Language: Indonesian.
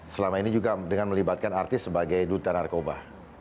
selama ini juga dengan melibatkan artis sebagai duta narkoba